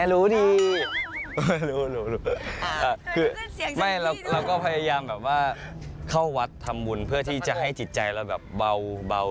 โชคดีมากที่มาขัดห้องน้ำเกิดจะเจอเนื้อคู่